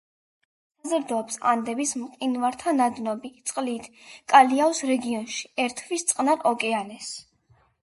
საზრდოობს ანდების მყინვართა ნადნობი წყლით, კალიაოს რეგიონში ერთვის წყნარ ოკეანეს.